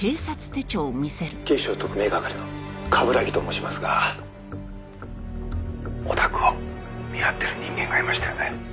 「警視庁特命係の冠城と申しますがお宅を見張ってる人間がいましてね」